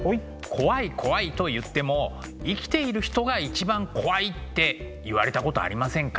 怖い怖いと言っても生きている人が一番怖いって言われたことありませんか？